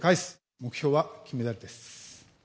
目標は金メダルです。